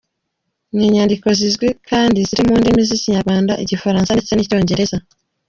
Ni inyandiko zizwi kandi ziri mu ndimi z’Ikinyarwanda, Igifaransa ndetse n’Icyongereza.